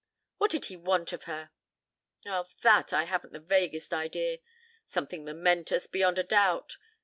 "What did he want of her?" "Of that I haven't the vaguest idea. Something momentous, beyond a doubt.